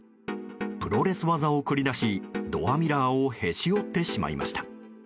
プロレス技を繰り出しドアミラーをへし折ってしまいました。